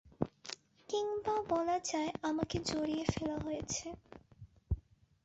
কিংবা বলা যায় আমাকে জড়িয়ে ফেলা হয়েছে।